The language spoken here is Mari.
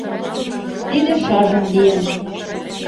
Тиде шыжым лийын.